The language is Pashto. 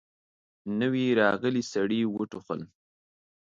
نوي راغلي سړي وټوخل.